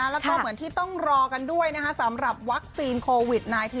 แล้วก็เหมือนที่ต้องรอกันด้วยสำหรับวัคซีนโควิด๑๙